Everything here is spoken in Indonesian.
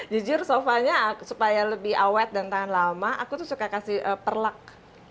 jujur sofanya supaya lebih awet dan tahan lama aku tuh suka kasih perlak